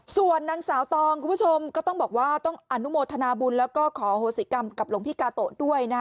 ส่วนนางสาวตองคุณผู้ชมก็ต้องบอกว่าต้องอนุโมทนาบุญแล้วก็ขอโหสิกรรมกับหลวงพี่กาโตะด้วยนะฮะ